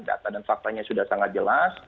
data dan fakta nya sudah sangat jelas